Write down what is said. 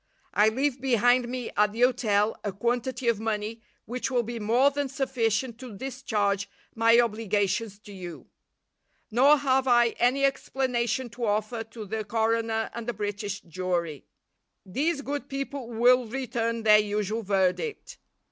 I leave behind me at the hotel a quantity of money which will be more than sufficient to discharge my obligations to you. Nor have I any explanation to offer to the coroner and the British jury. These good people will return their usual verdict.